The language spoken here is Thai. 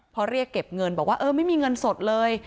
พอเรียกเก็บเงินบอกว่าเออไม่มีเงินสดเลย